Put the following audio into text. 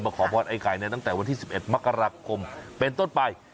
มาขอบรรท์ไอ้กายเนี่ยตั้งแต่วันที่๑๑มกราคมเป็นต้นไป